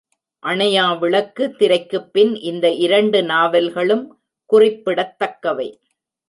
அணையாவிளக்கு திரைக்குப்பின் இந்த இரண்டு நாவல்களும் குறிப்பிடத்தக்கவை.